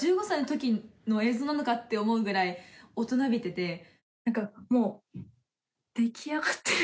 １５歳の時の映像なのか？って思うぐらい、大人びてて。